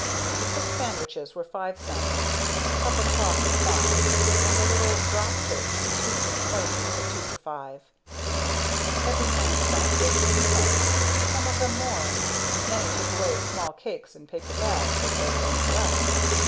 The six sandwiches were five cents, the cup of coffee five, and the little "drop cakes," sweet and spicy, were two for five. Every man spent fifteen cents, some of them more; and many took away small cakes in paper bags, if there were any left.